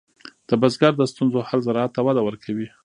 د بزګر د ستونزو حل زراعت ته وده ورکوي.